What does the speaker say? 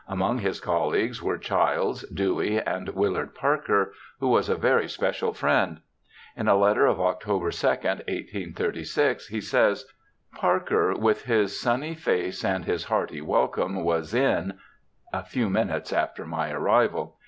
Among his colleagues were Childs, Dewey, and Willard Parker, who was a very special friend. In a letter of October 2, 1836, he says: ' Parker, with his sunny face and his hearty welcome, was in a few minutes after my arrival.